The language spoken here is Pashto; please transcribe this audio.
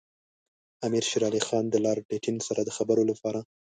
امیر شېر علي خان د لارډ لیټن سره د خبرو لپاره.